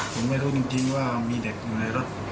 ผมไม่รู้จริงว่ามีเด็กอยู่ในรถ